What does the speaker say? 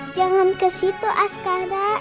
jangan ke situ askara